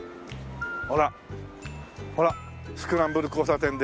ほらスクランブル交差点で。